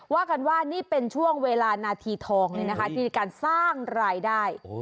ว่ากันว่านี่เป็นช่วงเวลานาทีทองเลยนะคะที่มีการสร้างรายได้